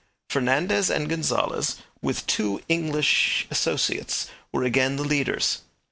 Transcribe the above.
Fernandez and Gonzales, with two English associates, were again the leaders.